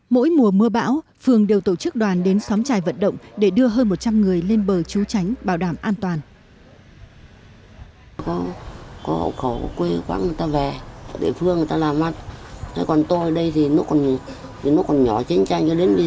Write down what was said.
mỗi mùa mưa bão phường đều tổ chức đoàn đến xóm trài vận động để đưa hơn một trăm linh người lên bờ trú tránh bảo đảm an toàn